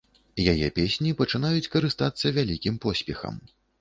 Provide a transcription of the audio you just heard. Яе песні пачынаюць карыстацца вялікім поспехам.